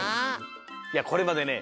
いやこれまでね